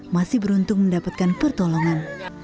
masih beruntung mendapatkan pertolongan